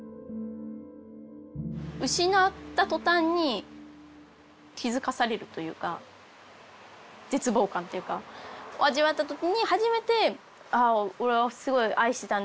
失った途端に気付かされるというか絶望感というかを味わった時に初めて「ああすごい愛してたんだ。